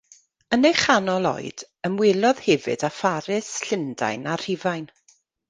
Yn ei chanol oed, ymwelodd hefyd â Pharis, Llundain a Rhufain.